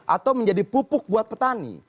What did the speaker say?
atau menjadi pupuk buat petani